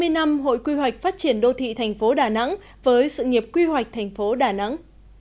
hai mươi năm hội quy hoạch phát triển đô thị thành phố đà nẵng với sự nghiệp quy hoạch thành phố đà nẵng